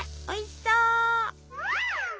おいしそう。